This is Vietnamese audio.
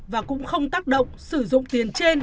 và cũng không tác động sử dụng tiền trên